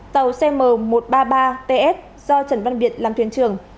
tàu cm một trăm ba mươi ba ts do trần văn việt làm thuyền trưởng